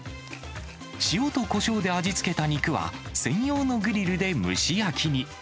塩とこしょうで味付けた肉は、専用のグリルで蒸し焼きに。